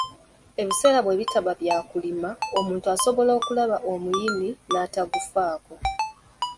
Ebiseera bwe bitaba bya kulima, omuntu asobola okulaba omuyini n’atagufaako.